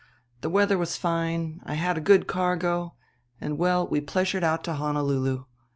The weather was fine, I had a good cargo, and, well we pleasured out to Honolulu.